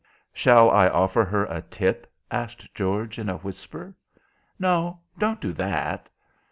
"Shall I offer her a tip?" asked George, in a whisper. "No, don't do that."